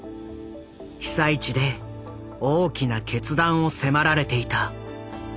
被災地で大きな決断を迫られていた。